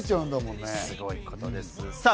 すごいことです。